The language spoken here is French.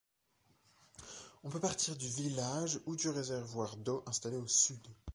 On peut partir du village ou du réservoir d'eau installé au sud.